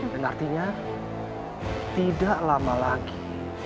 dan artinya tidak lama lagi